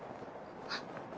あっ。